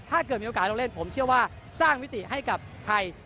ถ้าเกิดมีโอกาสลงเล่นผมเชื่อว่าสร้างมิติให้กับไทย